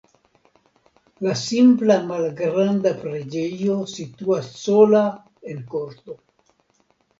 La simpla malgranda preĝejo situas sola en korto.